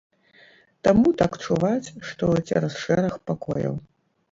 Таму так чуваць, што цераз шэраг пакояў.